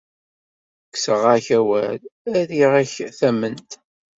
Kkseɣ-ak awal, erriɣ-ak tamment.